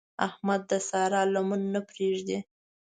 احمد د سارا لمن نه پرېږدي.